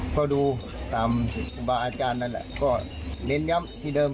ก็ดูตามภูมิบางอาจารย์นันเน้นนิ้มอย่างที่เดิม